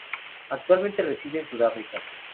Actualmente reside en Sudáfrica.